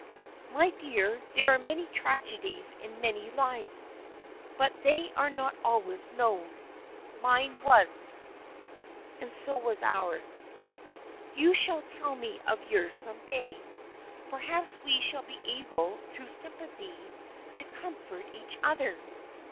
" My dear, there are many tragedies in many lives, but they are not always known. Mine was." " And so was ours." " You shall tell me of yours some day. Per haps we shall be able through sympathy to com fort each other.